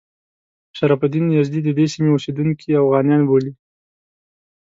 شرف الدین یزدي د دې سیمې اوسیدونکي اوغانیان بولي.